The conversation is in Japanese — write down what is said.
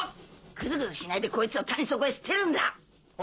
グズグズしないでこいつを谷底へ捨てるんだ！